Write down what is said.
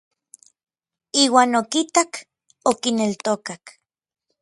Iuan okitak, okineltokak.